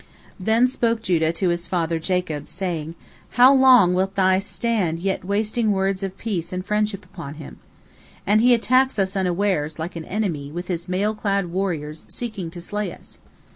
Then spoke Judah to his father Jacob, saying: "How long wilt thou stand yet wasting words of peace and friendship upon him? And he attacks us unawares, like an enemy, with his mail clad warriors, seeking to slay us."